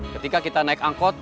ketika kita naik angkot